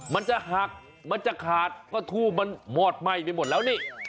มันจะหักมันจะขาดก็ทูบมันมอดไหม้ไปหมดแล้วนี่